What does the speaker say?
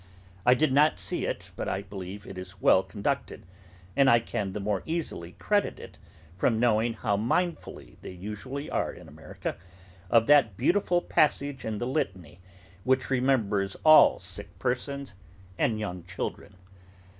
I did not see it, but I believe it is well conducted; and I can the more easily credit it, from knowing how mindful they usually are, in America, of that beautiful passage in the Litany which remembers all sick persons and young children.